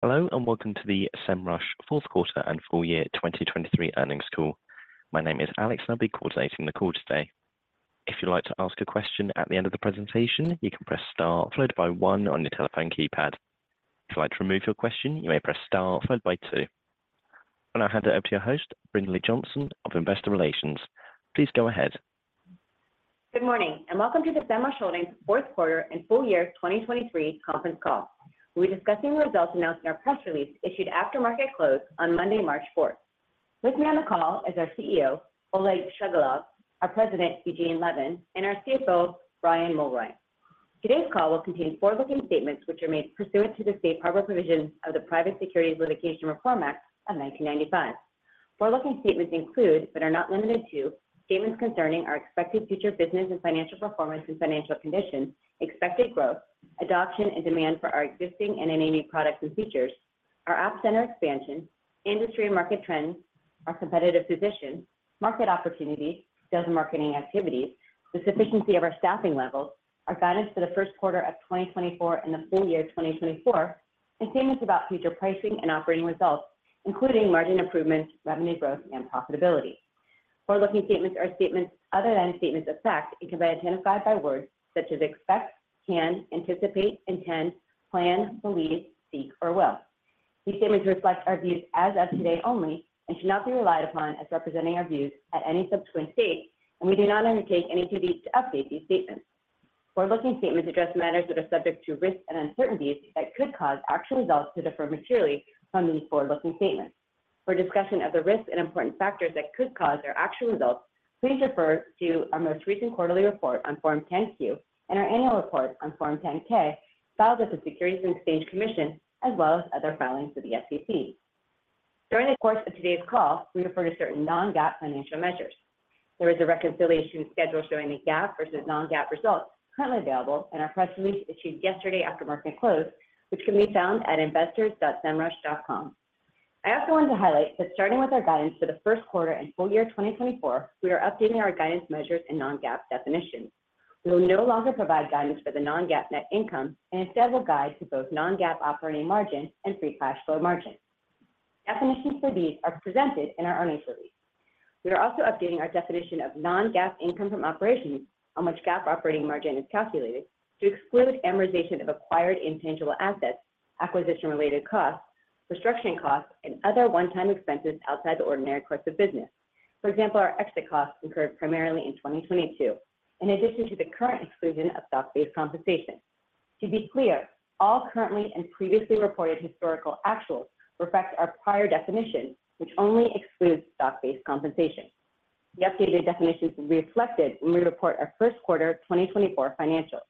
Hello and welcome to the Semrush fourth quarter and full year 2023 earnings call. My name is Alex and I'll be coordinating the call today. If you'd like to ask a question at the end of the presentation, you can press star followed by 1 on your telephone keypad. If you'd like to remove your question, you may press star followed by 2. I'll now hand it over to your host, Brinlea Johnson of Investor Relations. Please go ahead. Good morning and welcome to the Semrush earnings fourth quarter and full year 2023 conference call. We'll be discussing the results announced in our press release issued after market close on Monday, March 4th. With me on the call is our CEO, Oleg Shchegolev, our President, Eugene Levin, and our CFO, Brian Mulroy. Today's call will contain forward-looking statements which are made pursuant to the Safe Harbor provisions of the Private Securities Litigation Reform Act of 1995. Forward-looking statements include, but are not limited to, statements concerning our expected future business and financial performance and financial conditions, expected growth, adoption and demand for our existing and any new products and features, our App Center expansion, industry and market trends, our competitive position, market opportunity, sales and marketing activities, the sufficiency of our staffing levels, our guidance for the first quarter of 2024 and the full year 2024, and statements about future pricing and operating results, including margin improvements, revenue growth, and profitability. Forward-looking statements are statements other than statements of fact and can be identified by words such as expect, can, anticipate, intend, plan, believe, seek, or will. These statements reflect our views as of today only and should not be relied upon as representing our views at any subsequent date, and we do not undertake any duty to update these statements. Forward-looking statements address matters that are subject to risk and uncertainties that could cause actual results to differ materially from these forward-looking statements. For discussion of the risks and important factors that could cause our actual results, please refer to our most recent quarterly report on Form 10-Q and our annual report on Form 10-K filed with the Securities and Exchange Commission as well as other filings to the SEC. During the course of today's call, we refer to certain non-GAAP financial measures. There is a reconciliation schedule showing the GAAP versus non-GAAP results currently available and our press release issued yesterday after market close, which can be found at investors.semrush.com. I also want to highlight that starting with our guidance for the first quarter and full year 2024, we are updating our guidance measures and non-GAAP definitions. We will no longer provide guidance for the non-GAAP net income and instead will guide to both non-GAAP operating margin and free cash flow margin. Definitions for these are presented in our earnings release. We are also updating our definition of non-GAAP income from operations on which GAAP operating margin is calculated to exclude amortization of acquired intangible assets, acquisition-related costs, construction costs, and other one-time expenses outside the ordinary course of business. For example, our exit costs incurred primarily in 2022 in addition to the current exclusion of stock-based compensation. To be clear, all currently and previously reported historical actuals reflect our prior definition, which only excludes stock-based compensation. The updated definitions will be reflected when we report our first quarter 2024 financials.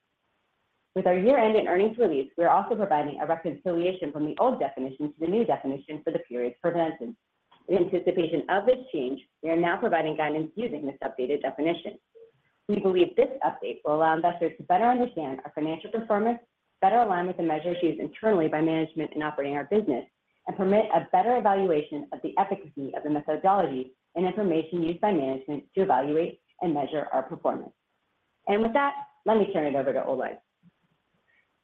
With our year-end and earnings release, we are also providing a reconciliation from the old definition to the new definition for the periods presented. In anticipation of this change, we are now providing guidance using this updated definition. We believe this update will allow investors to better understand our financial performance, better align with the measures used internally by management in operating our business, and permit a better evaluation of the efficacy of the methodology and information used by management to evaluate and measure our performance. With that, let me turn it over to Oleg.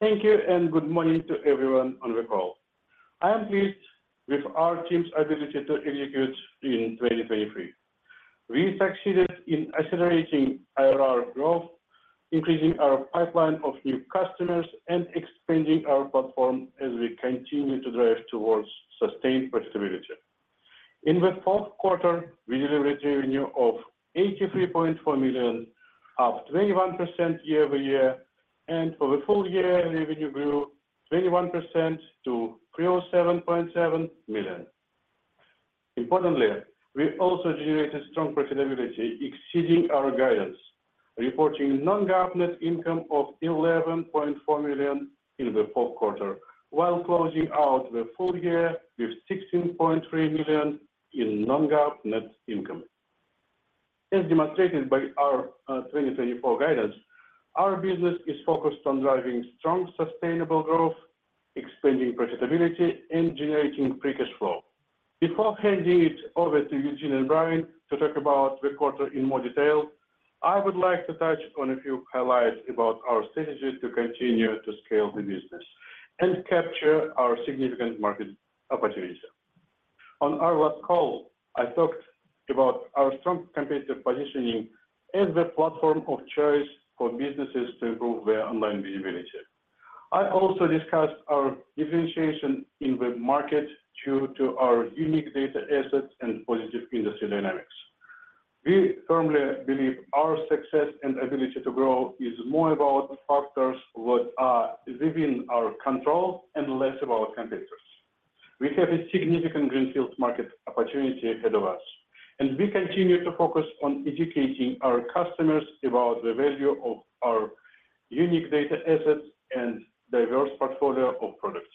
Thank you and good morning to everyone on the call. I am pleased with our team's ability to execute in 2023. We succeeded in accelerating our growth, increasing our pipeline of new customers, and expanding our platform as we continue to drive towards sustained profitability. In the fourth quarter, we delivered revenue of $83.4 million, up 21% year-over-year, and for the full year, revenue grew 21% to $307.7 million. Importantly, we also generated strong profitability exceeding our guidance, reporting non-GAAP net income of $11.4 million in the fourth quarter, while closing out the full year with $16.3 million in non-GAAP net income. As demonstrated by our 2024 guidance, our business is focused on driving strong sustainable growth, expanding profitability, and generating free cash flow. Before handing it over to Eugene and Brian to talk about the quarter in more detail, I would like to touch on a few highlights about our strategy to continue to scale the business and capture our significant market opportunities. On our last call, I talked about our strong competitive positioning as the platform of choice for businesses to improve their online visibility. I also discussed our differentiation in the market due to our unique data assets and positive industry dynamics. We firmly believe our success and ability to grow is more about factors that are within our control and less about competitors. We have a significant greenfield market opportunity ahead of us, and we continue to focus on educating our customers about the value of our unique data assets and diverse portfolio of products.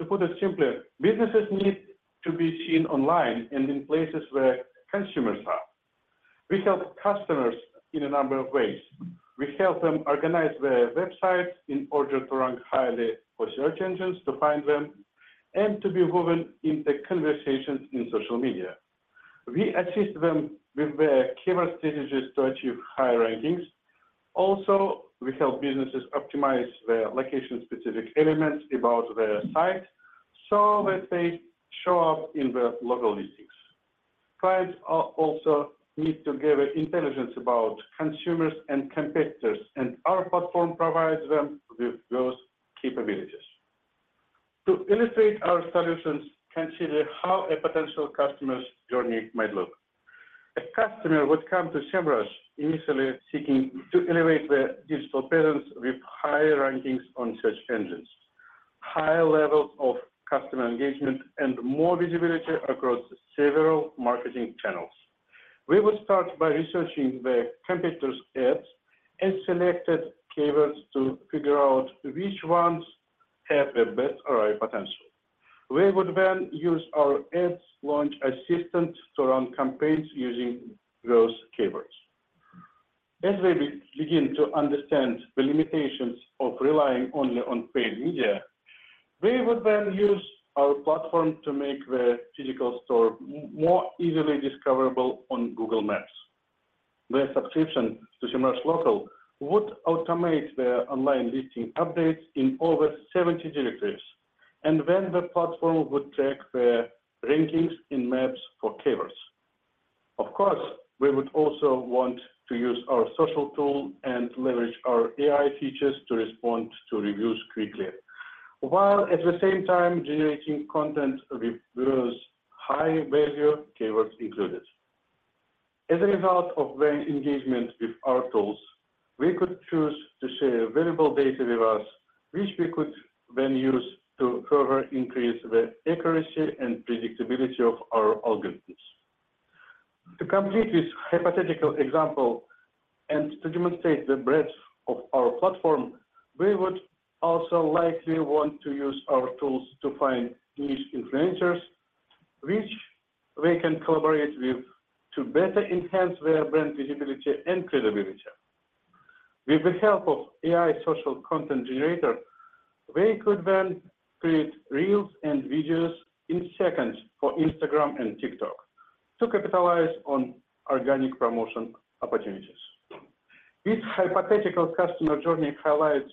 To put it simply, businesses need to be seen online and in places where consumers are. We help customers in a number of ways. We help them organize their websites in order to rank highly for search engines to find them and to be woven into conversations in social media. We assist them with their keyword strategies to achieve high rankings. Also, we help businesses optimize their location-specific elements about their site so that they show up in the local listings. Clients also need to gather intelligence about consumers and competitors, and our platform provides them with those capabilities. To illustrate our solutions, consider how a potential customer's journey might look. A customer would come to Semrush initially seeking to elevate their digital presence with higher rankings on search engines, higher levels of customer engagement, and more visibility across several marketing channels. We would start by researching the competitors' ads and selected keywords to figure out which ones have the best ROI potential. We would then use our Ads Launch Assistant to run campaigns using those keywords. As they begin to understand the limitations of relying only on paid media, they would then use our platform to make their physical store more easily discoverable on Google Maps. Their subscription to Semrush Local would automate their online listing updates in over 70 directories, and then the platform would track their rankings in Maps for keywords. Of course, we would also want to use our social tool and leverage our AI features to respond to reviews quickly while at the same time generating content with those high-value keywords included. As a result of their engagement with our tools, we could choose to share valuable data with us, which we could then use to further increase the accuracy and predictability of our algorithms. To complete this hypothetical example and to demonstrate the breadth of our platform, we would also likely want to use our tools to find niche influencers, which they can collaborate with to better enhance their brand visibility and credibility. With the help of AI Social Content Generator, they could then create reels and videos in seconds for Instagram and TikTok to capitalize on organic promotion opportunities. This hypothetical customer journey highlights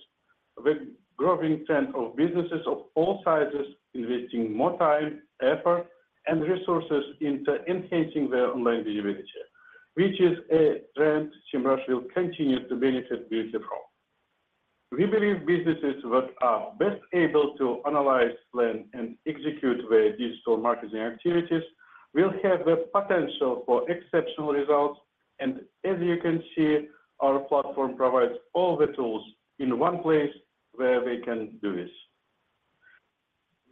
the growing trend of businesses of all sizes investing more time, effort, and resources into enhancing their online visibility, which is a trend Semrush will continue to benefit greatly from. We believe businesses that are best able to analyze, plan, and execute their digital marketing activities will have the potential for exceptional results. As you can see, our platform provides all the tools in one place where they can do this.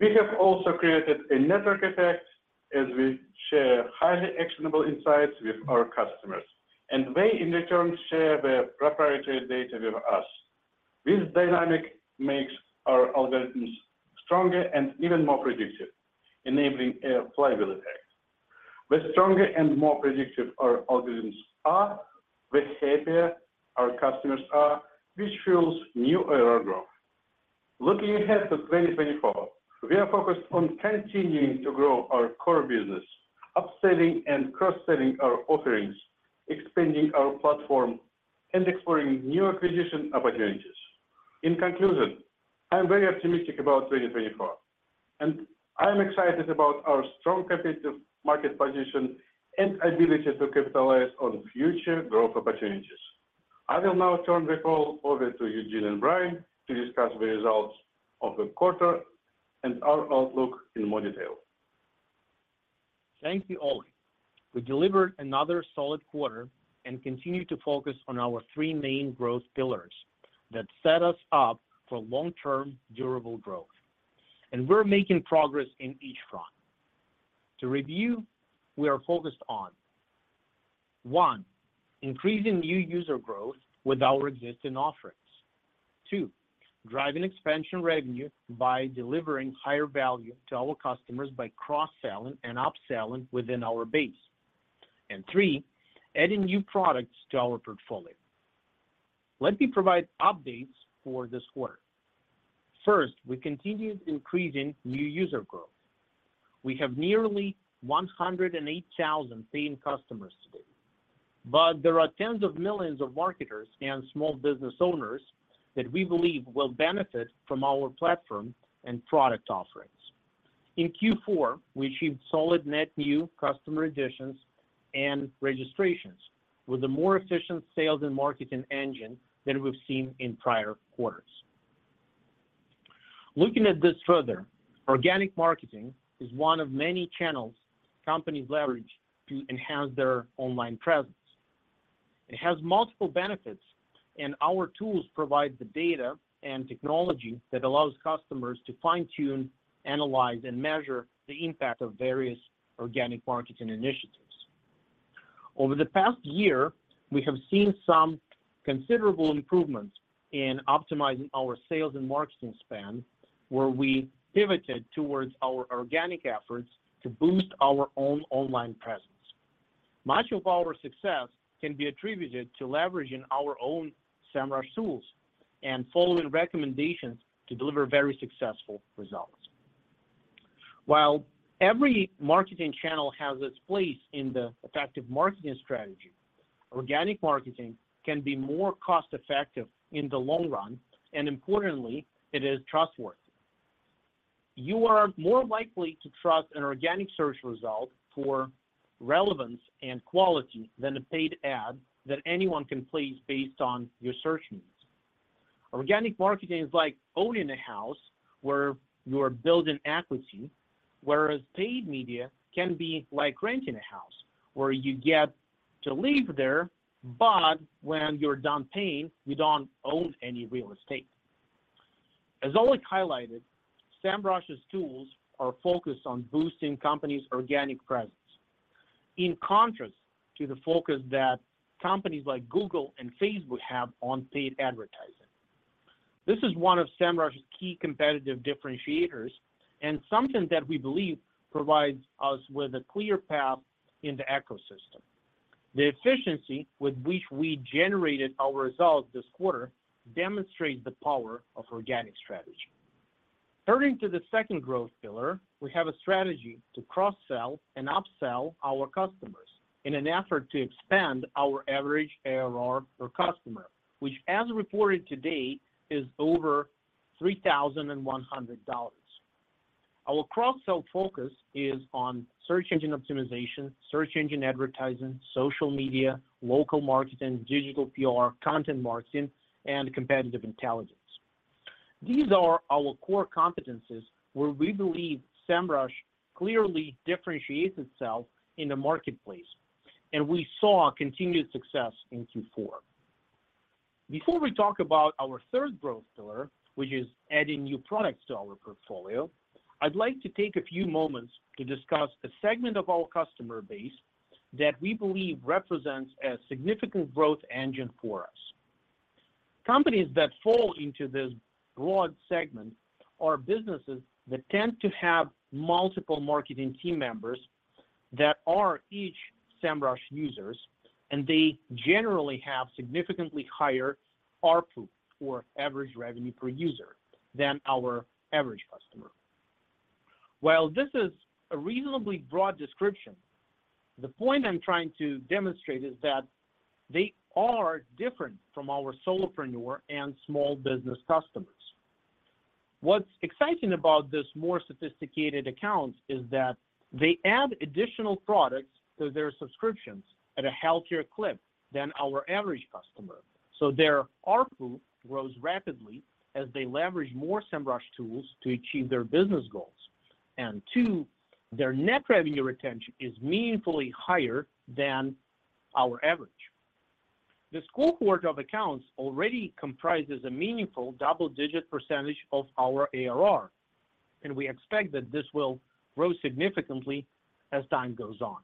We have also created a network effect as we share highly actionable insights with our customers, and they in return share their proprietary data with us. This dynamic makes our algorithms stronger and even more predictive, enabling a flywheel effect. The stronger and more predictive our algorithms are, the happier our customers are, which fuels new ROI growth. Looking ahead to 2024, we are focused on continuing to grow our core business, upselling and cross selling our offerings, expanding our platform, and exploring new acquisition opportunities. In conclusion, I'm very optimistic about 2024, and I'm excited about our strong competitive market position and ability to capitalize on future growth opportunities. I will now turn the call over to Eugene and Brian to discuss the results of the quarter and our outlook in more detail. Thank you, Oleg. We delivered another solid quarter and continue to focus on our three main growth pillars that set us up for long-term durable growth, and we're making progress in each front. To review, we are focused on one, increasing new user growth with our existing offerings; two, driving expansion revenue by delivering higher value to our customers by cross-selling and upselling within our base; and three, adding new products to our portfolio. Let me provide updates for this quarter. First, we continued increasing new user growth. We have nearly 108,000 paying customers today, but there are tens of millions of marketers and small business owners that we believe will benefit from our platform and product offerings. In Q4, we achieved solid net new customer additions and registrations with a more efficient sales and marketing engine than we've seen in prior quarters. Looking at this further, organic marketing is one of many channels companies leverage to enhance their online presence. It has multiple benefits, and our tools provide the data and technology that allows customers to fine-tune, analyze, and measure the impact of various organic marketing initiatives. Over the past year, we have seen some considerable improvements in optimizing our sales and marketing span, where we pivoted towards our organic efforts to boost our own online presence. Much of our success can be attributed to leveraging our own Semrush tools and following recommendations to deliver very successful results. While every marketing channel has its place in the effective marketing strategy, organic marketing can be more cost-effective in the long run, and importantly, it is trustworthy. You are more likely to trust an organic search result for relevance and quality than a paid ad that anyone can place based on your search needs. Organic marketing is like owning a house where you are building equity, whereas paid media can be like renting a house where you get to live there, but when you're done paying, you don't own any real estate. As Oleg highlighted, Semrush's tools are focused on boosting companies' organic presence in contrast to the focus that companies like Google and Facebook have on paid advertising. This is one of Semrush's key competitive differentiators and something that we believe provides us with a clear path in the ecosystem. The efficiency with which we generated our results this quarter demonstrates the power of organic strategy. Turning to the second growth pillar, we have a strategy to cross-sell and upsell our customers in an effort to expand our average ARR per customer, which, as reported today, is over $3,100. Our cross-sell focus is on search engine optimization, search engine advertising, social media, local marketing, digital PR, content marketing, and competitive intelligence. These are our core competencies where we believe Semrush clearly differentiates itself in the marketplace, and we saw continued success in Q4. Before we talk about our third growth pillar, which is adding new products to our portfolio, I'd like to take a few moments to discuss a segment of our customer base that we believe represents a significant growth engine for us. Companies that fall into this broad segment are businesses that tend to have multiple marketing team members that are each Semrush users, and they generally have significantly higher ARPU, or average revenue per user, than our average customer. While this is a reasonably broad description, the point I'm trying to demonstrate is that they are different from our solopreneur and small business customers. What's exciting about this more sophisticated account is that they add additional products to their subscriptions at a healthier clip than our average customer, so their ARPU grows rapidly as they leverage more Semrush tools to achieve their business goals. And two, their net revenue retention is meaningfully higher than our average. This cohort of accounts already comprises a meaningful double-digit percentage of our ARR, and we expect that this will grow significantly as time goes on.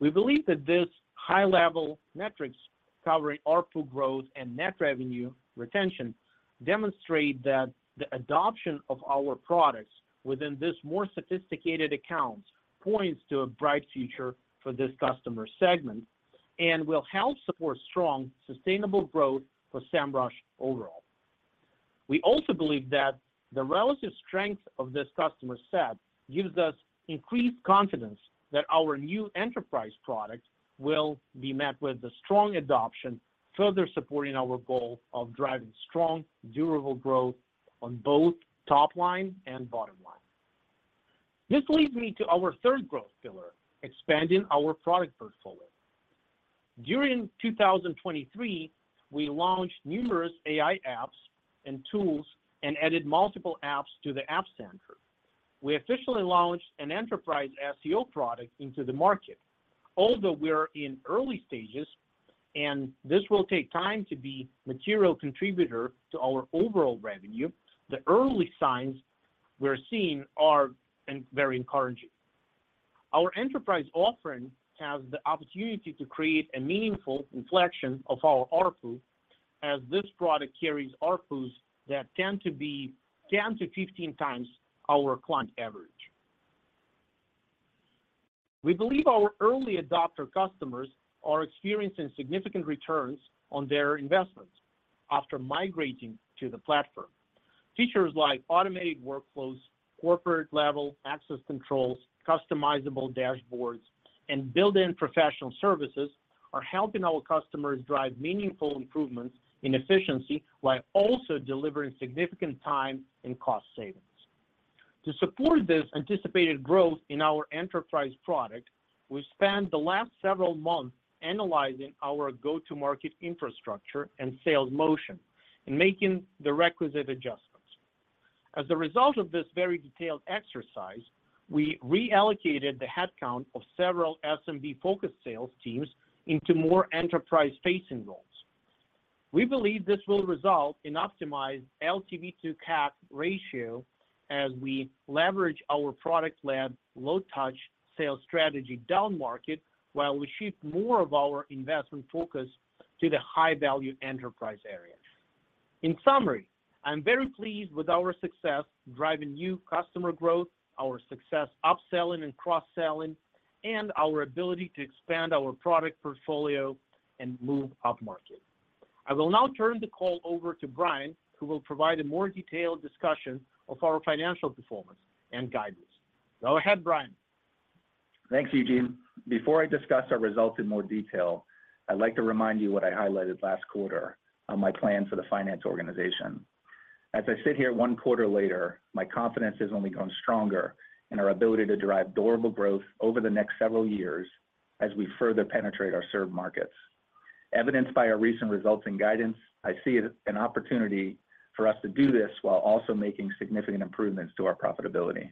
We believe that these high-level metrics covering ARPU growth and net revenue retention demonstrate that the adoption of our products within this more sophisticated account points to a bright future for this customer segment and will help support strong, sustainable growth for Semrush overall. We also believe that the relative strength of this customer set gives us increased confidence that our new enterprise product will be met with a strong adoption, further supporting our goal of driving strong, durable growth on both top line and bottom line. This leads me to our third growth pillar, expanding our product portfolio. During 2023, we launched numerous AI apps and tools and added multiple apps to the App Center. We officially launched an enterprise SEO product into the market. Although we're in early stages, and this will take time to be a material contributor to our overall revenue, the early signs we're seeing are very encouraging. Our enterprise offering has the opportunity to create a meaningful inflection of our ARPU, as this product carries ARPUs that tend to be 10-15 times our client average. We believe our early adopter customers are experiencing significant returns on their investments after migrating to the platform. Features like automated workflows, corporate-level access controls, customizable dashboards, and built-in professional services are helping our customers drive meaningful improvements in efficiency while also delivering significant time and cost savings. To support this anticipated growth in our enterprise product, we spent the last several months analyzing our go-to-market infrastructure and sales motion and making the requisite adjustments. As a result of this very detailed exercise, we reallocated the headcount of several SMB-focused sales teams into more enterprise-facing roles. We believe this will result in optimized LTV to CAC ratio as we leverage our product-led low-touch sales strategy down market while we shift more of our investment focus to the high-value enterprise area. In summary, I'm very pleased with our success driving new customer growth, our success upselling and cross-selling, and our ability to expand our product portfolio and move up market. I will now turn the call over to Brian, who will provide a more detailed discussion of our financial performance and guidance. Go ahead, Brian. Thanks, Eugene. Before I discuss our results in more detail, I'd like to remind you what I highlighted last quarter on my plan for the finance organization. As I sit here one quarter later, my confidence has only grown stronger in our ability to drive durable growth over the next several years as we further penetrate our served markets. Evidenced by our recent results and guidance, I see an opportunity for us to do this while also making significant improvements to our profitability.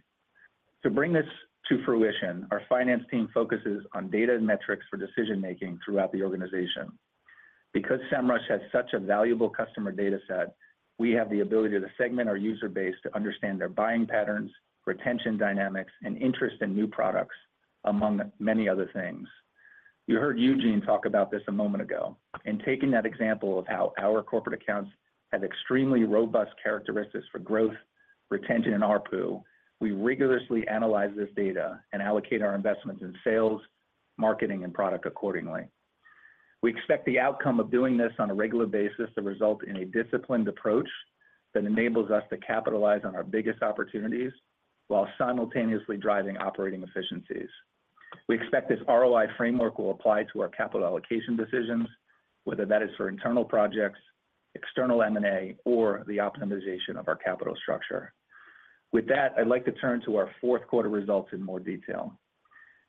To bring this to fruition, our finance team focuses on data and metrics for decision-making throughout the organization. Because Semrush has such a valuable customer data set, we have the ability to segment our user base to understand their buying patterns, retention dynamics, and interest in new products, among many other things. You heard Eugene talk about this a moment ago. In taking that example of how our corporate accounts have extremely robust characteristics for growth, retention, and ARPU, we rigorously analyze this data and allocate our investments in sales, marketing, and product accordingly. We expect the outcome of doing this on a regular basis to result in a disciplined approach that enables us to capitalize on our biggest opportunities while simultaneously driving operating efficiencies. We expect this ROI framework will apply to our capital allocation decisions, whether that is for internal projects, external M&A, or the optimization of our capital structure. With that, I'd like to turn to our fourth quarter results in more detail.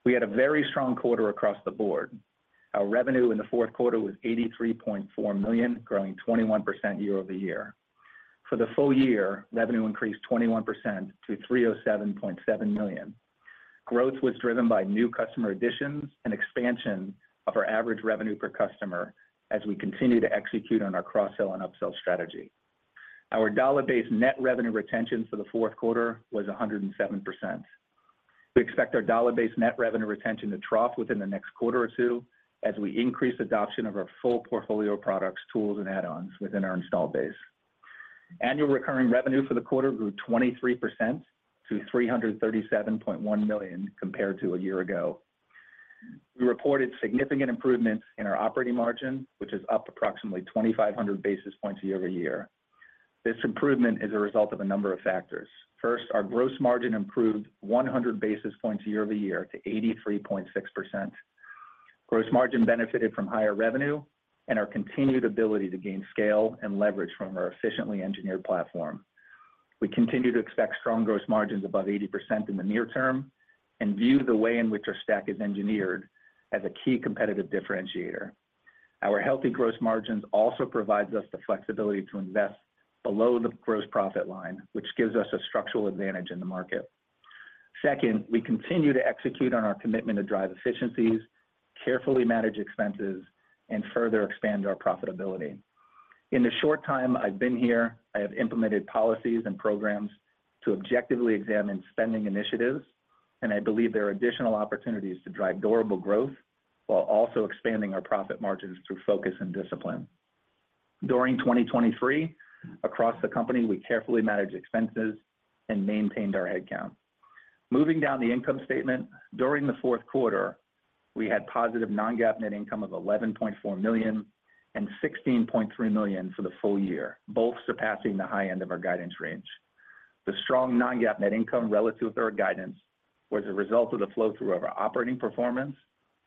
We had a very strong quarter across the board. Our revenue in the fourth quarter was $83.4 million, growing 21% year-over-year. For the full year, revenue increased 21% to $307.7 million. Growth was driven by new customer additions and expansion of our average revenue per customer as we continue to execute on our cross-sell and upsell strategy. Our dollar-based net revenue retention for the fourth quarter was 107%. We expect our dollar-based net revenue retention to trough within the next quarter or two as we increase adoption of our full portfolio of products, tools, and add-ons within our installed base. Annual recurring revenue for the quarter grew 23% to $337.1 million compared to a year ago. We reported significant improvements in our operating margin, which is up approximately 2,500 basis points year-over-year. This improvement is a result of a number of factors. First, our gross margin improved 100 basis points year-over-year to 83.6%. Gross margin benefited from higher revenue and our continued ability to gain scale and leverage from our efficiently engineered platform. We continue to expect strong gross margins above 80% in the near term and view the way in which our stack is engineered as a key competitive differentiator. Our healthy gross margins also provide us the flexibility to invest below the gross profit line, which gives us a structural advantage in the market. Second, we continue to execute on our commitment to drive efficiencies, carefully manage expenses, and further expand our profitability. In the short time I've been here, I have implemented policies and programs to objectively examine spending initiatives, and I believe there are additional opportunities to drive durable growth while also expanding our profit margins through focus and discipline. During 2023, across the company, we carefully managed expenses and maintained our headcount. Moving down the income statement, during the fourth quarter, we had positive non-GAAP net income of $11.4 million and $16.3 million for the full year, both surpassing the high end of our guidance range. The strong non-GAAP net income relative to our guidance was a result of the flow-through of our operating performance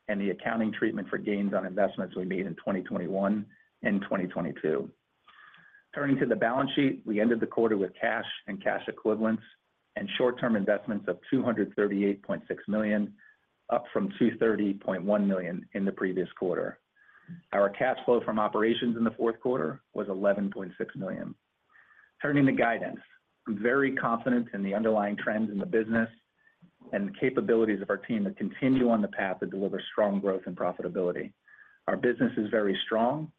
and the accounting treatment for gains on investments we made in 2021 and 2022. Turning to the balance sheet, we ended the quarter with cash and cash equivalents and short-term investments of $238.6 million, up from $230.1 million in the previous quarter. Our cash flow from operations in the fourth quarter was $11.6 million. Turning to guidance, I'm very confident in the underlying trends in the business and the capabilities of our team to continue on the path to deliver strong growth and profitability. Our business is very strong,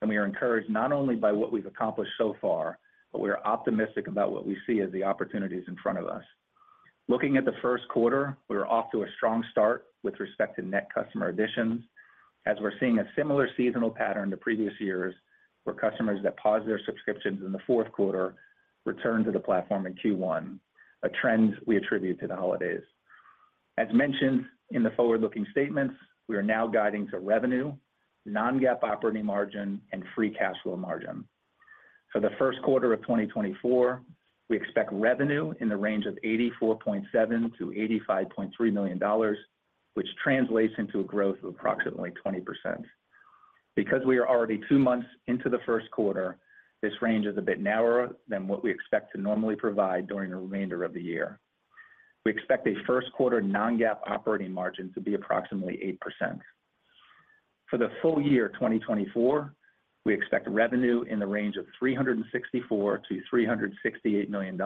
and we are encouraged not only by what we've accomplished so far, but we are optimistic about what we see as the opportunities in front of us. Looking at the first quarter, we were off to a strong start with respect to net customer additions as we're seeing a similar seasonal pattern to previous years where customers that paused their subscriptions in the fourth quarter returned to the platform in Q1, a trend we attribute to the holidays. As mentioned in the forward-looking statements, we are now guiding to revenue, non-GAAP operating margin, and free cash flow margin. For the first quarter of 2024, we expect revenue in the range of $84.7-$85.3 million, which translates into a growth of approximately 20%. Because we are already two months into the first quarter, this range is a bit narrower than what we expect to normally provide during the remainder of the year. We expect a first-quarter non-GAAP operating margin to be approximately 8%. For the full year, 2024, we expect revenue in the range of $364 million-$368 million,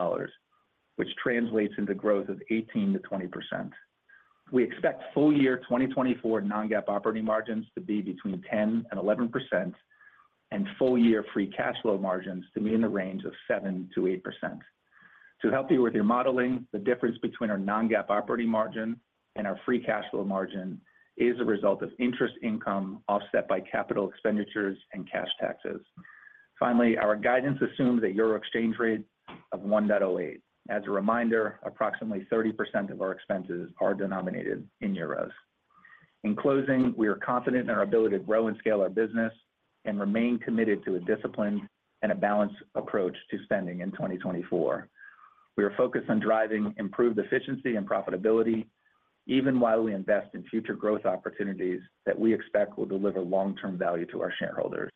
which translates into growth of 18%-20%. We expect full-year 2024 non-GAAP operating margins to be between 10%-11%, and full-year free cash flow margins to be in the range of 7%-8%. To help you with your modeling, the difference between our non-GAAP operating margin and our free cash flow margin is a result of interest income offset by capital expenditures and cash taxes. Finally, our guidance assumes a euro exchange rate of 1.08. As a reminder, approximately 30% of our expenses are denominated in euros. In closing, we are confident in our ability to grow and scale our business and remain committed to a disciplined and a balanced approach to spending in 2024. We are focused on driving improved efficiency and profitability, even while we invest in future growth opportunities that we expect will deliver long-term value to our shareholders.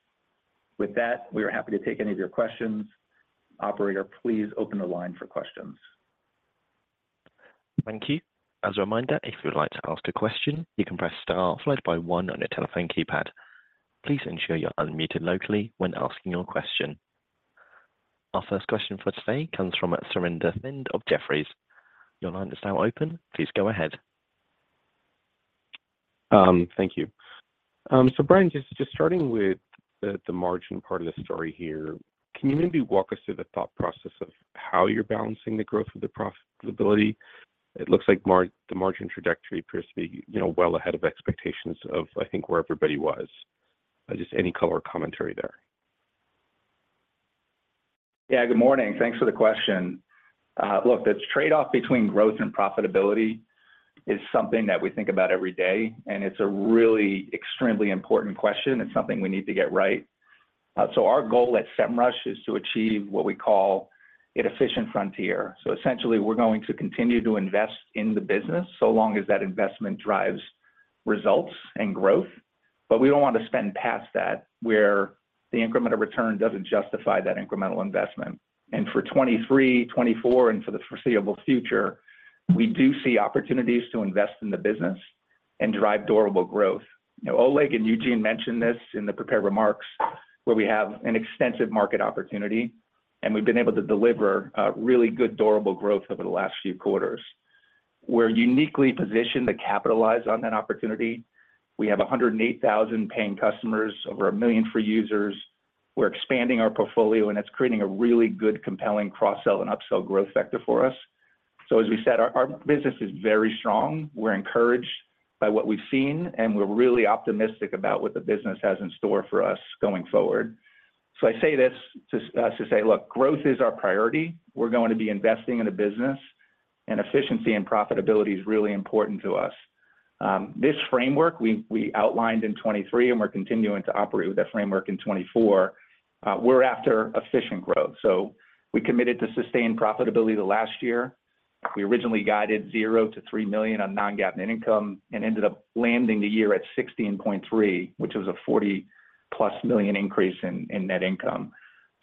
With that, we are happy to take any of your questions. Operator, please open the line for questions. Thank you. As a reminder, if you would like to ask a question, you can press Star followed by 1 on your telephone keypad. Please ensure you're unmuted locally when asking your question. Our first question for today comes from Surinder Thind of Jefferies. Your line is now open. Please go ahead. Thank you. So, Brian, just starting with the margin part of the story here, can you maybe walk us through the thought process of how you're balancing the growth with the profitability? It looks like the margin trajectory appears to be well ahead of expectations of, I think, where everybody was. Just any color commentary there? Yeah, good morning. Thanks for the question. Look, the trade-off between growth and profitability is something that we think about every day, and it's a really extremely important question. It's something we need to get right. So our goal at Semrush is to achieve what we call an efficient frontier. So essentially, we're going to continue to invest in the business so long as that investment drives results and growth, but we don't want to spend past that where the incremental return doesn't justify that incremental investment. And for 2023, 2024, and for the foreseeable future, we do see opportunities to invest in the business and drive durable growth. Oleg and Eugene mentioned this in the prepared remarks where we have an extensive market opportunity, and we've been able to deliver really good durable growth over the last few quarters. We're uniquely positioned to capitalize on that opportunity. We have 108,000 paying customers, over 1 million free users. We're expanding our portfolio, and it's creating a really good, compelling cross-sell and upsell growth vector for us. So as we said, our business is very strong. We're encouraged by what we've seen, and we're really optimistic about what the business has in store for us going forward. So, I say this to say, look, growth is our priority. We're going to be investing in a business, and efficiency and profitability is really important to us. This framework we outlined in 2023, and we're continuing to operate with that framework in 2024. We're after efficient growth. So, we committed to sustained profitability the last year. We originally guided $0-$3 million on non-GAAP net income and ended up landing the year at $16.3 million, which was a $40+ million increase in net income.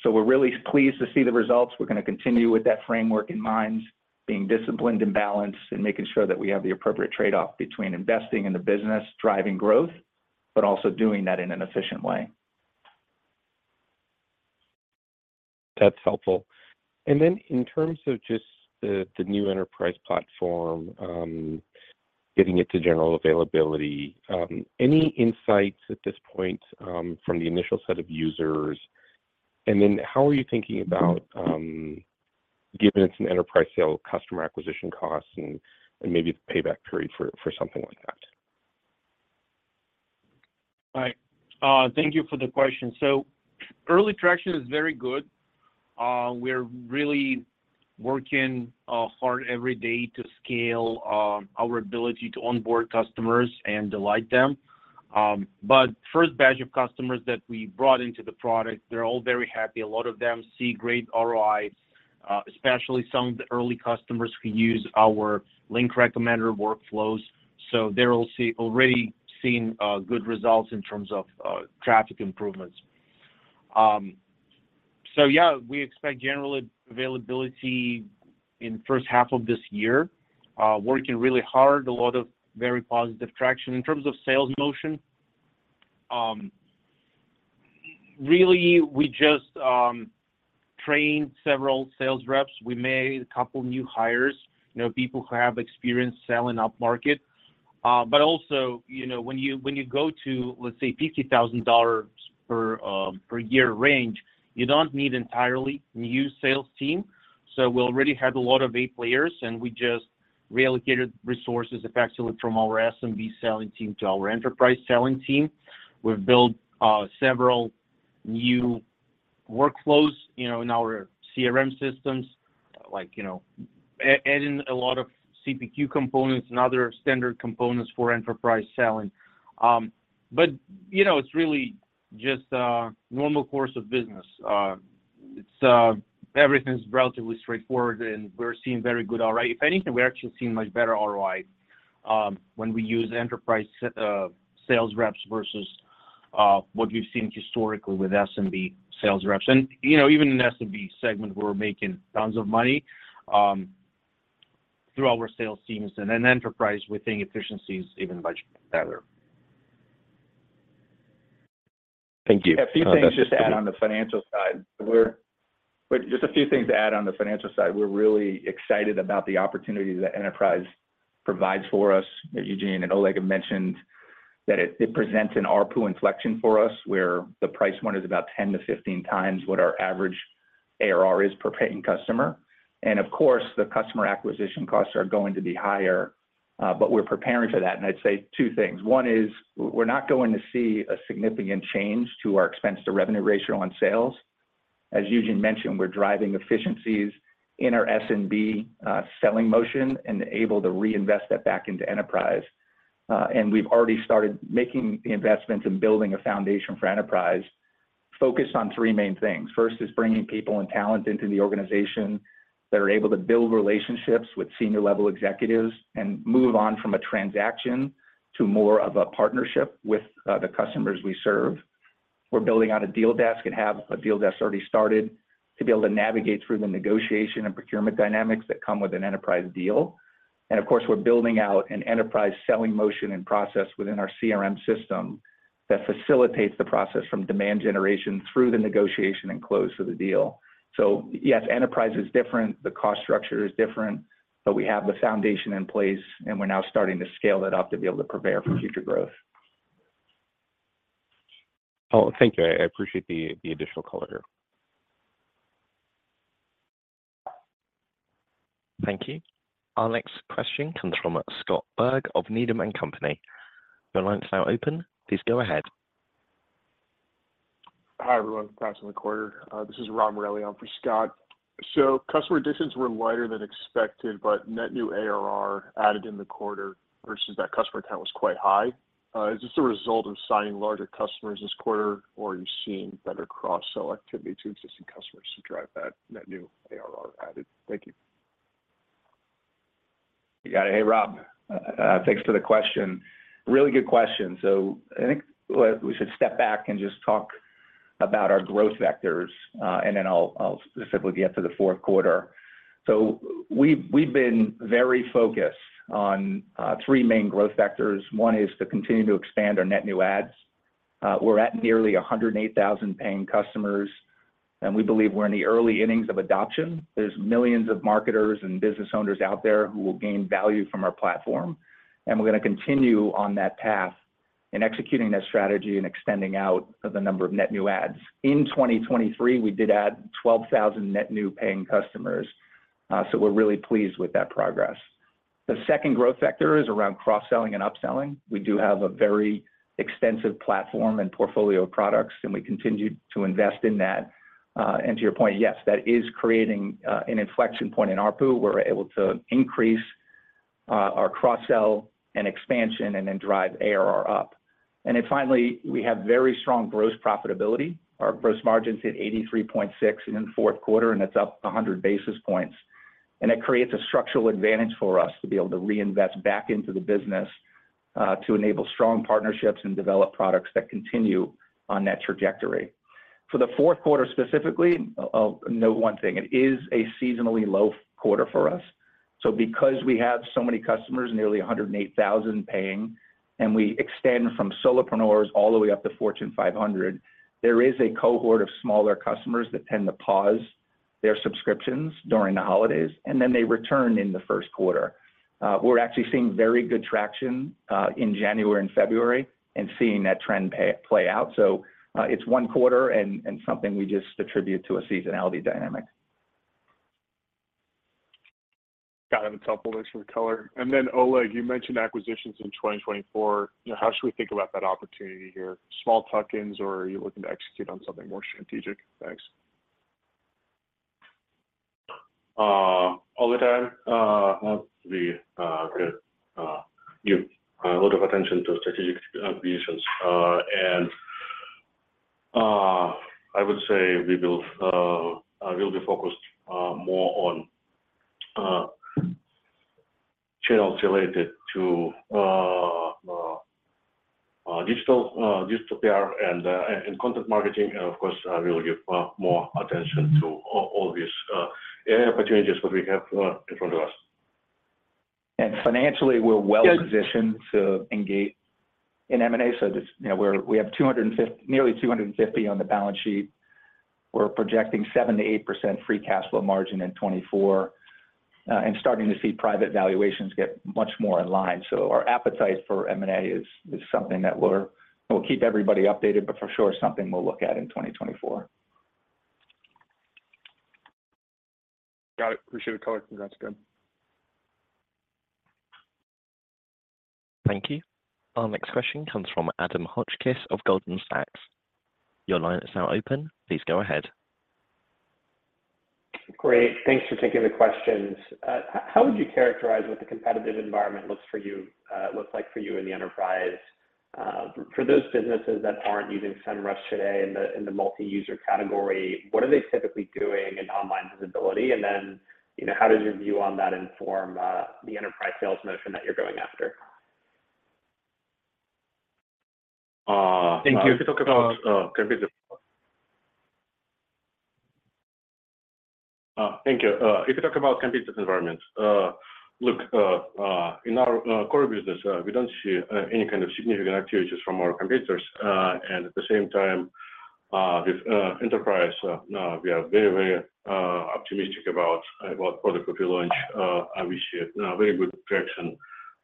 So, we're really pleased to see the results. We're going to continue with that framework in mind, being disciplined and balanced, and making sure that we have the appropriate trade-off between investing in the business, driving growth, but also doing that in an efficient way. That's helpful. And then in terms of just the new enterprise platform, getting it to general availability, any insights at this point from the initial set of users? And then how are you thinking about, given it's an enterprise sale, customer acquisition costs and maybe the payback period for something like that? All right. Thank you for the question. So early traction is very good. We're really working hard every day to scale our ability to onboard customers and delight them. But first batch of customers that we brought into the product, they're all very happy. A lot of them see great ROI, especially some of the early customers who use our link recommender workflows. So, they're already seeing good results in terms of traffic improvements. So yeah, we expect general availability in the first half of this year. Working really hard, a lot of very positive traction. In terms of sales motion, really, we just trained several sales reps. We made a couple of new hires, people who have experience selling upmarket. But also, when you go to, let's say, $50,000 per year range, you don't need entirely a new sales team. So we already had a lot of A players, and we just reallocated resources effectively from our SMB selling team to our enterprise selling team. We've built several new workflows in our CRM systems, adding a lot of CPQ components and other standard components for enterprise selling. But it's really just a normal course of business. Everything's relatively straightforward, and we're seeing very good ROI. If anything, we're actually seeing much better ROI when we use enterprise sales reps versus what we've seen historically with SMB sales reps. And even in the SMB segment, we're making tons of money through our sales teams. And in enterprise, we're seeing efficiencies even much better. Thank you. A few things just to add on the financial side. Just a few things to add on the financial side. We're really excited about the opportunities that enterprise provides for us. Eugene and Oleg have mentioned that it presents an ARPU inflection for us where the pricing is about 10-15 times what our average ARR is per paying customer. And of course, the customer acquisition costs are going to be higher, but we're preparing for that. And I'd say two things. One is we're not going to see a significant change to our expense-to-revenue ratio on sales. As Eugene mentioned, we're driving efficiencies in our SMB selling motion and able to reinvest that back into enterprise. And we've already started making the investments and building a foundation for enterprise focused on three main things. First is bringing people and talent into the organization that are able to build relationships with senior-level executives and move on from a transaction to more of a partnership with the customers we serve. We're building out a deal desk and have a deal desk already started to be able to navigate through the negotiation and procurement dynamics that come with an enterprise deal. And of course, we're building out an enterprise selling motion and process within our CRM system that facilitates the process from demand generation through the negotiation and close to the deal. So yes, enterprise is different. The cost structure is different, but we have the foundation in place, and we're now starting to scale that up to be able to prepare for future growth. Oh, thank you. I appreciate the additional color here. Thank you. Our next question comes from Scott Berg of Needham & Company. Your line is now open. Please go ahead. Hi, everyone. Passing the quarter. This is Rob Morelli. I'm for Scott. So, customer additions were lighter than expected, but net new ARR added in the quarter versus that customer count was quite high. Is this a result of signing larger customers this quarter, or are you seeing better cross-sell activity to existing customers to drive that net new ARR added? Thank you. You got it. Hey, Rob. Thanks for the question. Really good question. So I think we should step back and just talk about our growth vectors, and then I'll specifically get to the fourth quarter. So we've been very focused on three main growth vectors. One is to continue to expand our net new adds. We're at nearly 108,000 paying customers, and we believe we're in the early innings of adoption. There's millions of marketers and business owners out there who will gain value from our platform, and we're going to continue on that path and executing that strategy and extending out the number of net new adds. In 2023, we did add 12,000 net new paying customers, so we're really pleased with that progress. The second growth vector is around cross-selling and upselling. We do have a very extensive platform and portfolio of products, and we continue to invest in that. To your point, yes, that is creating an inflection point in ARPU. We're able to increase our cross-sell and expansion and then drive ARR up. Then finally, we have very strong gross profitability. Our gross margin is at 83.6% in the fourth quarter, and that's up 100 basis points. It creates a structural advantage for us to be able to reinvest back into the business to enable strong partnerships and develop products that continue on that trajectory. For the fourth quarter specifically, I'll note one thing. It is a seasonally low quarter for us. So because we have so many customers, nearly 108,000 paying, and we extend from solopreneurs all the way up to Fortune 500, there is a cohort of smaller customers that tend to pause their subscriptions during the holidays, and then they return in the first quarter. We're actually seeing very good traction in January and February and seeing that trend play out. So it's one quarter and something we just attribute to a seasonality dynamic. Got it. That's helpful. Thanks for the color. Then Oleg, you mentioned acquisitions in 2024. How should we think about that opportunity here? Small tuck-ins, or are you looking to execute on something more strategic? Thanks. All the time. Have a lot of attention to strategic acquisitions. I would say we will be focused more on channels related to digital PR and content marketing. Of course, we will give more attention to all these opportunities that we have in front of us. Financially, we're well positioned to engage in M&A. We have nearly $250 million on the balance sheet. We're projecting 7%-8% free cash flow margin in 2024 and starting to see private valuations get much more in line. Our appetite for M&A is something that we'll keep everybody updated, but for sure, something we'll look at in 2024. Got it. Appreciate the color. Congrats. Good. Thank you. Our next question comes from Adam Hotchkiss of Goldman Sachs. Your line is now open. Please go ahead. Great. Thanks for taking the questions. How would you characterize what the competitive environment looks like for you in the enterprise? For those businesses that aren't using Semrush today in the multi-user category, what are they typically doing in online visibility? And then how does your view on that inform the enterprise sales motion that you're going after? Thank you. Can we talk about competitive environment? Thank you. If you talk about competitive environment, look, in our core business, we don't see any kind of significant activities from our competitors. At the same time, with enterprise, we are very, very optimistic about product that we launch. We see very good traction,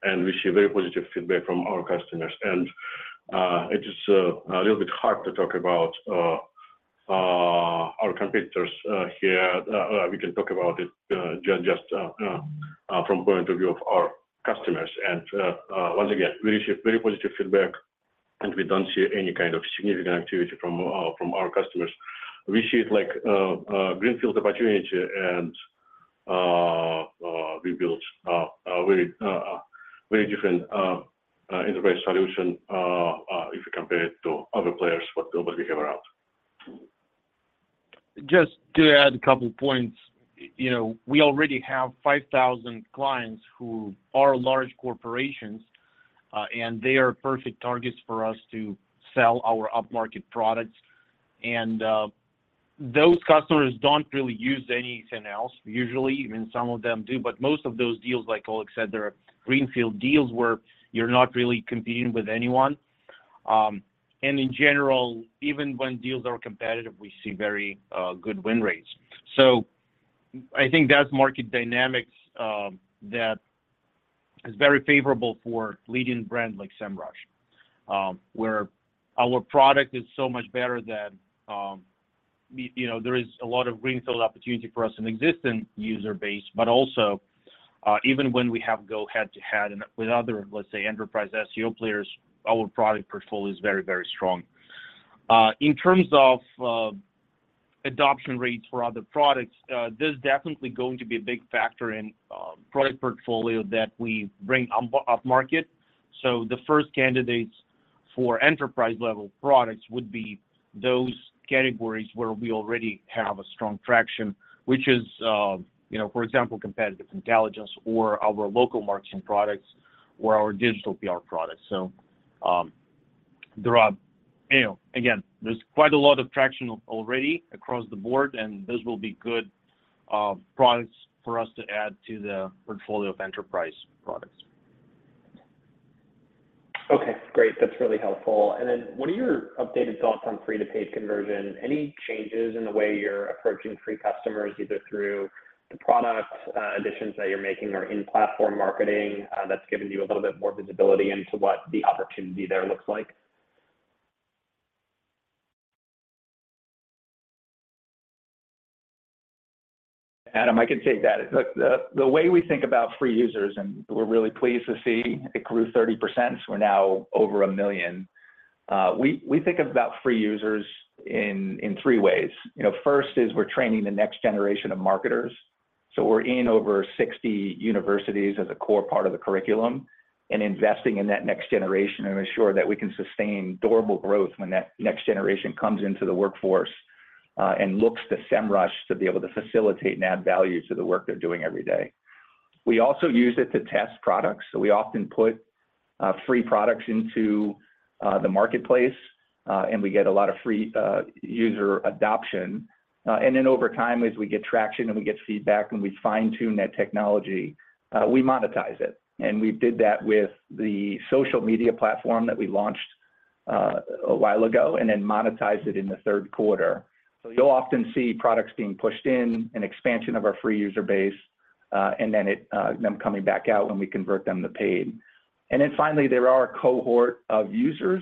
and we see very positive feedback from our customers. It is a little bit hard to talk about our competitors here. We can talk about it just from the point of view of our customers. Once again, we receive very positive feedback, and we don't see any kind of significant activity from our customers. We see it like a greenfield opportunity, and we build a very different enterprise solution if you compare it to other players, what we have around. Just to add a couple of points, we already have 5,000 clients who are large corporations, and they are perfect targets for us to sell our upmarket products. And those customers don't really use anything else, usually. I mean, some of them do, but most of those deals, like Oleg said, they're greenfield deals where you're not really competing with anyone. And in general, even when deals are competitive, we see very good win rates. So I think that's market dynamics that is very favorable for leading brands like Semrush, where our product is so much better than there is a lot of greenfield opportunity for us in the existing user base. But also, even when we have to go head-to-head with other, let's say, enterprise SEO players, our product portfolio is very, very strong. In terms of adoption rates for other products, there's definitely going to be a big factor in product portfolio that we bring upmarket. So the first candidates for enterprise-level products would be those categories where we already have a strong traction, which is, for example, competitive intelligence or our local marketing products or our digital PR products. So again, there's quite a lot of traction already across the board, and those will be good products for us to add to the portfolio of enterprise products. Okay. Great. That's really helpful. And then what are your updated thoughts on free-to-pay conversion? Any changes in the way you're approaching free customers, either through the product additions that you're making or in-platform marketing that's given you a little bit more visibility into what the opportunity there looks like? Adam, I can take that. Look, the way we think about free users, and we're really pleased to see it grew 30%. We're now over a million. We think about free users in three ways. First is we're training the next generation of marketers. So we're in over 60 universities as a core part of the curriculum and investing in that next generation and ensure that we can sustain durable growth when that next generation comes into the workforce and looks to Semrush to be able to facilitate and add value to the work they're doing every day. We also use it to test products. So we often put free products into the marketplace, and we get a lot of free user adoption. And then over time, as we get traction and we get feedback and we fine-tune that technology, we monetize it. We did that with the social media platform that we launched a while ago and then monetized it in the third quarter. You'll often see products being pushed in, an expansion of our free user base, and then them coming back out when we convert them to paid. Finally, there are a cohort of users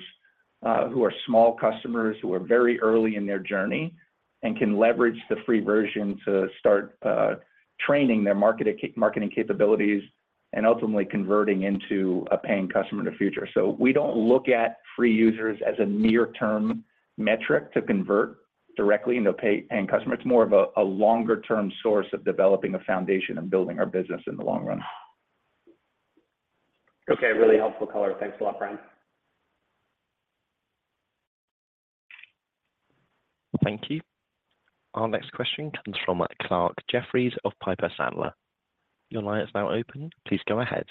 who are small customers who are very early in their journey and can leverage the free version to start training their marketing capabilities and ultimately converting into a paying customer in the future. We don't look at free users as a near-term metric to convert directly into a paying customer. It's more of a longer-term source of developing a foundation and building our business in the long run. Okay. Really helpful color. Thanks a lot, Brian. Thank you. Our next question comes from Clarke Jeffries of Piper Sandler. Your line is now open. Please go ahead.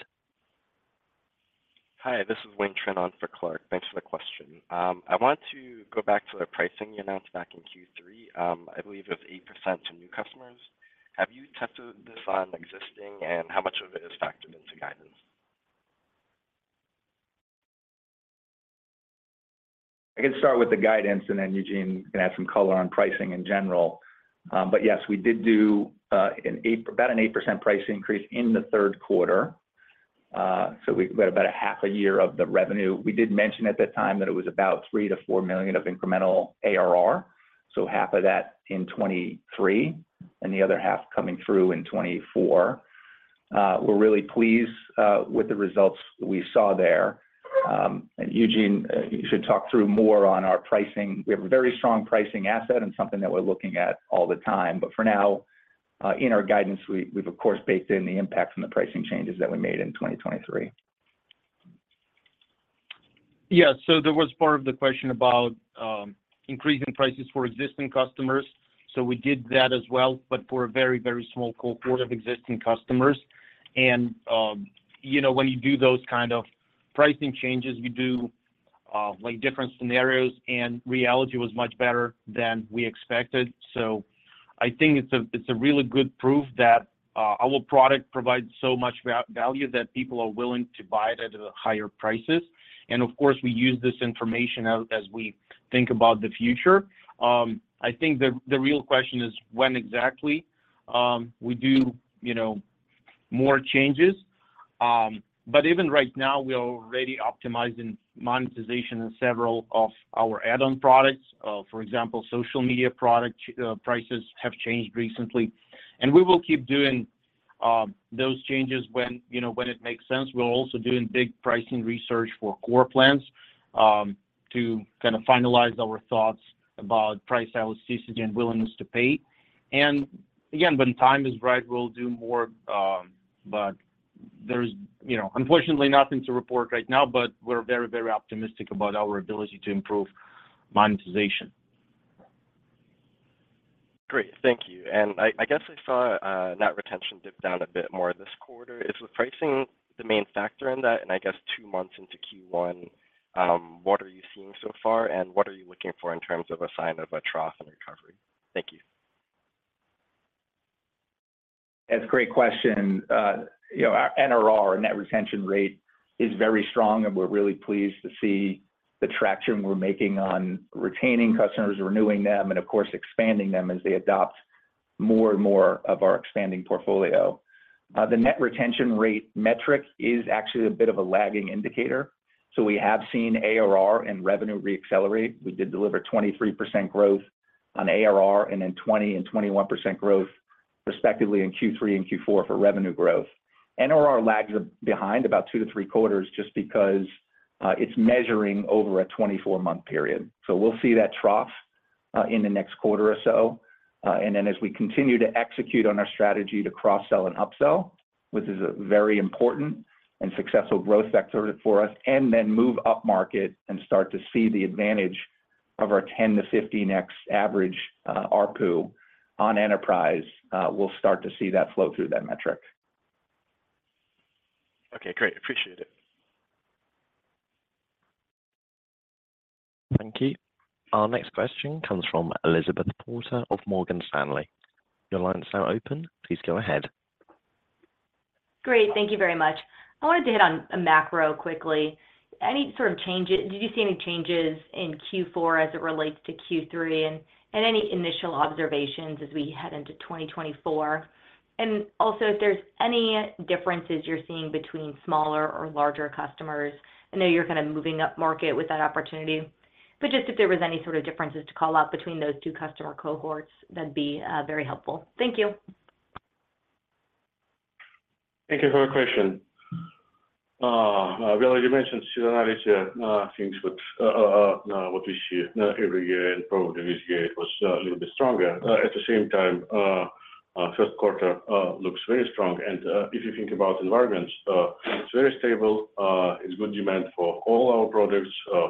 Hi. This is Wayne Trinh for Clarke Jeffries. Thanks for the question. I wanted to go back to the pricing you announced back in Q3. I believe it was 8% to new customers. Have you tested this on existing, and how much of it is factored into guidance? I can start with the guidance, and then Eugene can add some color on pricing in general. But yes, we did do about an 8% price increase in the third quarter. So we've got about a half a year of the revenue. We did mention at that time that it was about $3 million-$4 million of incremental ARR, so half of that in 2023 and the other half coming through in 2024. We're really pleased with the results we saw there. And Eugene, you should talk through more on our pricing. We have a very strong pricing asset and something that we're looking at all the time. But for now, in our guidance, we've, of course, baked in the impact from the pricing changes that we made in 2023. Yeah. So there was part of the question about increasing prices for existing customers. So we did that as well, but for a very, very small cohort of existing customers. And when you do those kind of pricing changes, you do different scenarios, and reality was much better than we expected. So I think it's a really good proof that our product provides so much value that people are willing to buy it at higher prices. And of course, we use this information as we think about the future. I think the real question is when exactly we do more changes. But even right now, we're already optimizing monetization in several of our add-on products. For example, social media product prices have changed recently, and we will keep doing those changes when it makes sense. We're also doing big pricing research for core plans to kind of finalize our thoughts about price elasticity and willingness to pay. And again, when time is right, we'll do more. But there's, unfortunately, nothing to report right now, but we're very, very optimistic about our ability to improve monetization. Great. Thank you. And I guess I saw net retention dip down a bit more this quarter. Is the pricing the main factor in that? And I guess two months into Q1, what are you seeing so far, and what are you looking for in terms of a sign of a trough and recovery? Thank you. That's a great question. Our NRR, our net retention rate, is very strong, and we're really pleased to see the traction we're making on retaining customers, renewing them, and of course, expanding them as they adopt more and more of our expanding portfolio. The net retention rate metric is actually a bit of a lagging indicator. So we have seen ARR and revenue reaccelerate. We did deliver 23% growth on ARR and then 20% and 21% growth, respectively, in Q3 and Q4 for revenue growth. NRR lags behind about 2-3 quarters just because it's measuring over a 24-month period. So we'll see that trough in the next quarter or so. And then as we continue to execute on our strategy to cross-sell and upsell, which is a very important and successful growth vector for us, and then move upmarket and start to see the advantage of our $10-$50 net average ARPU on Enterprise, we'll start to see that flow through that metric. Okay. Great. Appreciate it. Thank you. Our next question comes from Elizabeth Porter of Morgan Stanley. Your line is now open. Please go ahead. Great. Thank you very much. I wanted to hit on a macro quickly. Did you see any changes in Q4 as it relates to Q3 and any initial observations as we head into 2024? And also, if there's any differences you're seeing between smaller or larger customers? I know you're kind of moving upmarket with that opportunity. But just if there were any sort of differences to call out between those two customer cohorts, that'd be very helpful. Thank you. Thank you for the question. I believe you mentioned similar things with what we see every year, and probably this year, it was a little bit stronger. At the same time, first quarter looks very strong. And if you think about environment, it's very stable. It's good demand for all our products,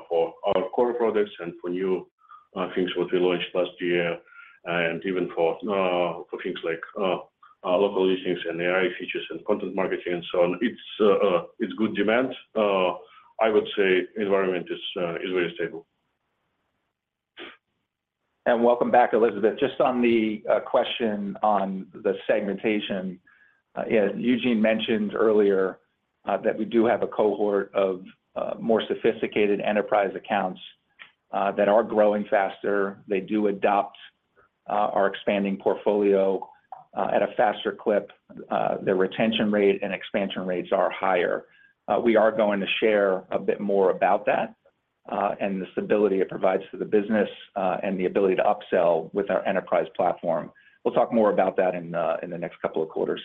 for our core products, and for new things that we launched last year, and even for things like local listings and AI features and content marketing and so on. It's good demand. I would say environment is very stable. Welcome back, Elizabeth. Just on the question on the segmentation, Eugene mentioned earlier that we do have a cohort of more sophisticated enterprise accounts that are growing faster. They do adopt our expanding portfolio at a faster clip. Their retention rate and expansion rates are higher. We are going to share a bit more about that and the stability it provides to the business and the ability to upsell with our enterprise platform. We'll talk more about that in the next couple of quarters.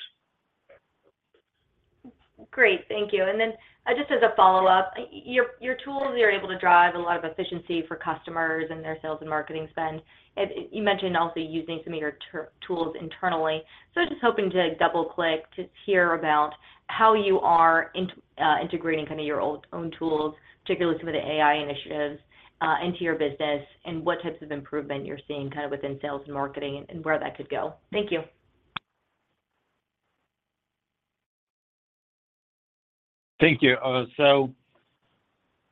Great. Thank you. And then just as a follow-up, your tools, you're able to drive a lot of efficiency for customers and their sales and marketing spend. You mentioned also using some of your tools internally. So I'm just hoping to double-click to hear about how you are integrating kind of your own tools, particularly some of the AI initiatives, into your business and what types of improvement you're seeing kind of within sales and marketing and where that could go. Thank you. Thank you. So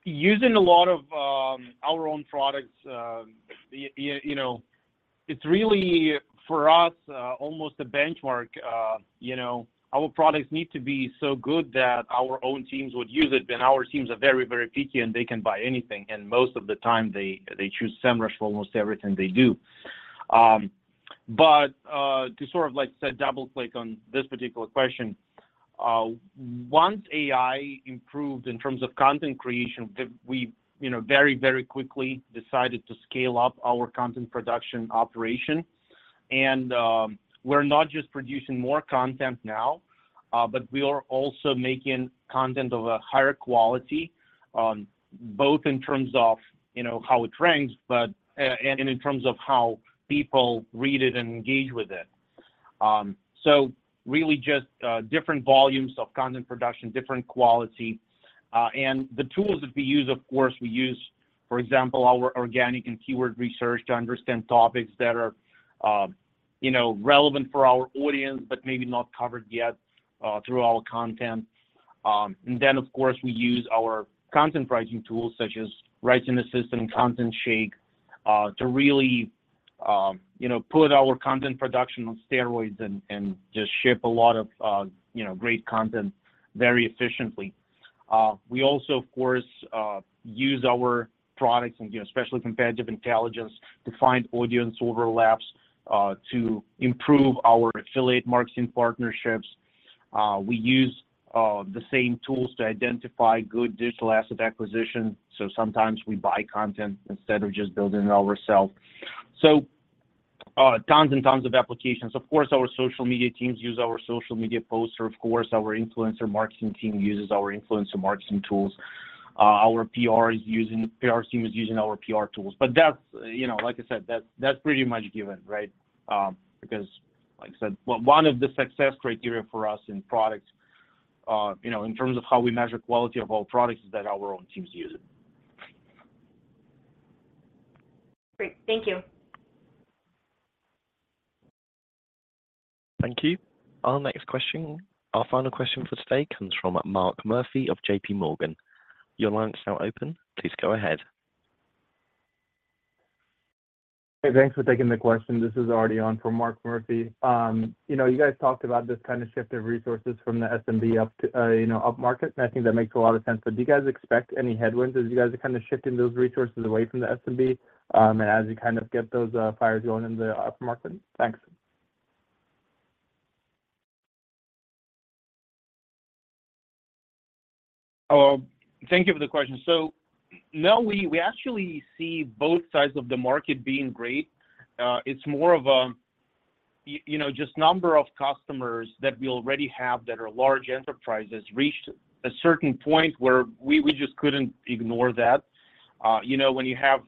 using a lot of our own products, it's really, for us, almost a benchmark. Our products need to be so good that our own teams would use it. And our teams are very, very picky, and they can buy anything. And most of the time, they choose Semrush for almost everything they do. But to sort of, like I said, double-click on this particular question, once AI improved in terms of content creation, we very, very quickly decided to scale up our content production operation. And we're not just producing more content now, but we are also making content of a higher quality, both in terms of how it ranks and in terms of how people read it and engage with it. So really just different volumes of content production, different quality. The tools that we use, of course, we use, for example, our organic and keyword research to understand topics that are relevant for our audience but maybe not covered yet through our content. Then, of course, we use our content pricing tools such as Writing Assistant and ContentShake to really put our content production on steroids and just ship a lot of great content very efficiently. We also, of course, use our products, especially competitive intelligence, to find audience overlaps to improve our affiliate marketing partnerships. We use the same tools to identify good digital asset acquisition. So sometimes we buy content instead of just building it ourselves. So, tons and tons of applications. Of course, our social media teams use our social media posts. Of course, our influencer marketing team uses our influencer marketing tools. Our PR team is using our PR tools. But like I said, that's pretty much given, right? Because, like I said, one of the success criteria for us in products, in terms of how we measure quality of our products, is that our own teams use it. Great. Thank you. Thank you. Our next question, our final question for today, comes from Mark Murphy of J.P. Morgan. Your line is now open. Please go ahead. Hey. Thanks for taking the question. This is Arti Vula from Mark Murphy. You guys talked about this kind of shift of resources from the SMB upmarket, and I think that makes a lot of sense. But do you guys expect any headwinds as you guys are kind of shifting those resources away from the SMB and as you kind of get those fires going in the upmarket? Thanks. Thank you for the question. So now we actually see both sides of the market being great. It's more of just number of customers that we already have that are large enterprises reached a certain point where we just couldn't ignore that. When you have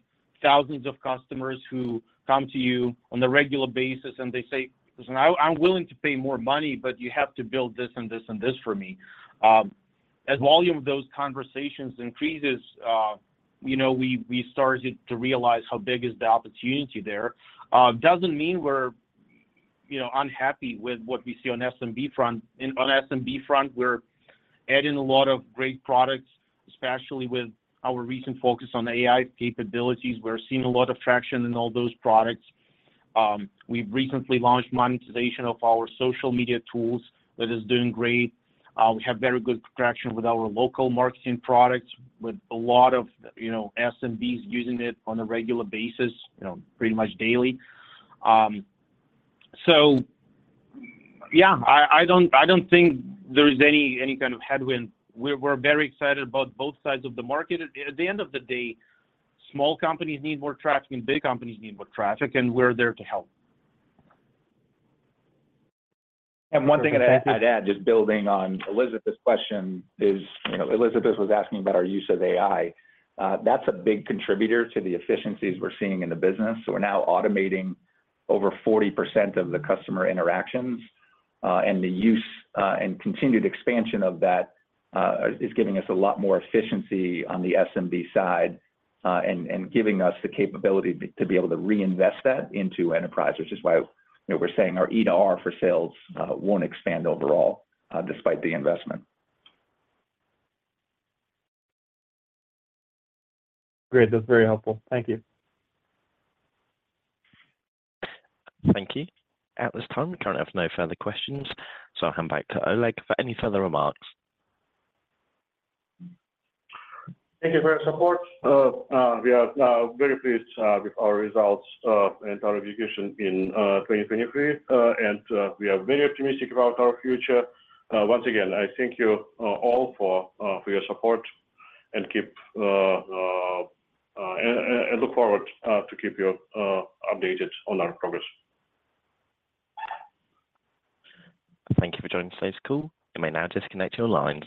thousands of customers who come to you on a regular basis and they say, "Listen, I'm willing to pay more money, but you have to build this and this and this for me." As volume of those conversations increases, we started to realize how big is the opportunity there. Doesn't mean we're unhappy with what we see on SMB front. On SMB front, we're adding a lot of great products, especially with our recent focus on AI capabilities. We're seeing a lot of traction in all those products. We've recently launched monetization of our social media tools that is doing great. We have very good traction with our local marketing products with a lot of SMBs using it on a regular basis, pretty much daily. So yeah, I don't think there is any kind of headwind. We're very excited about both sides of the market. At the end of the day, small companies need more traffic, and big companies need more traffic, and we're there to help. One thing I'd add, just building on Elizabeth's question, is Elizabeth was asking about our use of AI. That's a big contributor to the efficiencies we're seeing in the business. So we're now automating over 40% of the customer interactions, and the use and continued expansion of that is giving us a lot more efficiency on the SMB side and giving us the capability to be able to reinvest that into enterprise, which is why we're saying our expense-to-revenue for sales won't expand overall despite the investment. Great. That's very helpful. Thank you. Thank you. At this time, we currently have no further questions, so, I'll hand back to Oleg for any further remarks. Thank you for your support. We are very pleased with our results and our performance in 2023, and we are very optimistic about our future. Once again, I thank you all for your support and look forward to keeping you updated on our progress. Thank you for joining today's call. You may now disconnect your line.